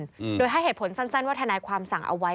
หรือให้เหตุผลสั้นว่าถ้านายความสั่งเอาไว้